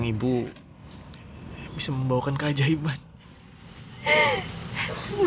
kamu bisa menemukan pen develops atatmu